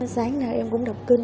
sáng nay em cũng đọc kinh